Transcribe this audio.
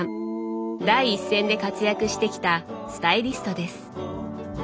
第一線で活躍してきたスタイリストです。